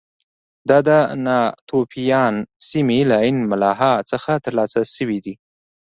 دا د ناتوفیان سیمې له عین ملاحا څخه ترلاسه شوي دي